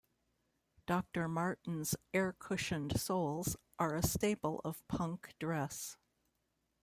Doctor Martens air-cushioned soles are a staple of punk dress.